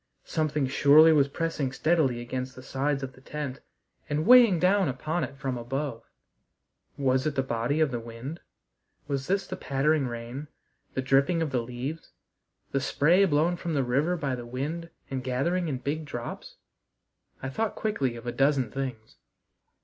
Something surely was pressing steadily against the sides of the tent and weighing down upon it from above. Was it the body of the wind? Was this the pattering rain, the dripping of the leaves? The spray blown from the river by the wind and gathering in big drops? I thought quickly of a dozen things.